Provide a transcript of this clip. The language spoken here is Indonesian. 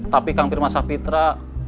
tapi kang firman sahpitra